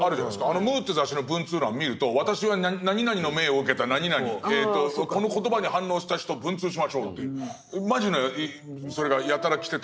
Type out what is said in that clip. あの「ムー」っていう雑誌の文通欄見ると「私は何々の命を受けた何々この言葉に反応した人文通しましょう」っていうマジなそれがやたら来てた。